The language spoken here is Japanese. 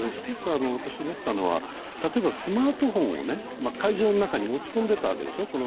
１つ私、思ったのは例えばスマートフォンを会場の中に持ち込んでたんでしょ。